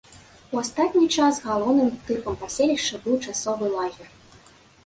У астатні час галоўным тыпам паселішча быў часовы лагер.